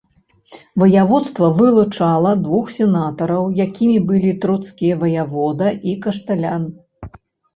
Ваяводства вылучала двух сенатараў, якімі былі троцкія ваявода і кашталян.